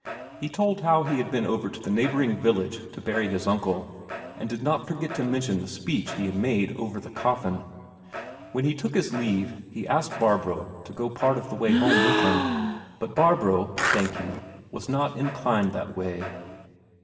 He told how he had been over to the neighbouring village to bury his uncle, and did not forget to mention the speech he had made over the coffin. When he took his leave, he asked Barbro to go part of the way home with him. But Barbro, thank you, was not inclined that way.